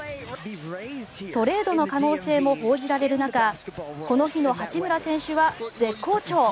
トレードの可能性も報じられる中この日の八村選手は絶好調。